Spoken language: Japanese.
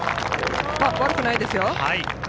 悪くないですよ。